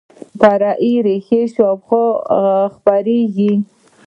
فرعي ریښې شاوخوا خپریږي